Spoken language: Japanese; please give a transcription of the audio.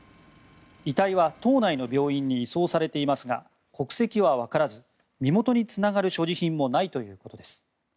遺体は島内の病院に移送されていますが国籍は分からず身元につながる所持品もないということです。